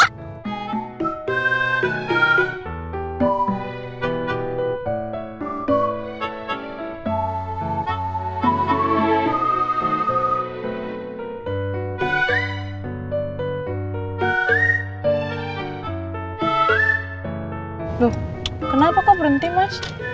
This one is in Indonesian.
loh kenapa kok berhenti mas